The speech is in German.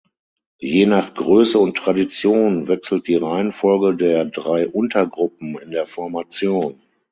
Je nach Grösse und Tradition wechselt die Reihenfolge der drei Untergruppen in der Formation.